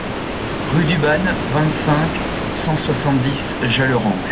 Rue du Banne, vingt-cinq, cent soixante-dix Jallerange